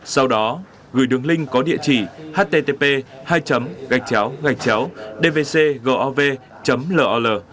sau đó gửi đường link có địa chỉ http dvcgov lol